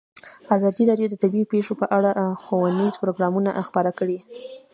ازادي راډیو د طبیعي پېښې په اړه ښوونیز پروګرامونه خپاره کړي.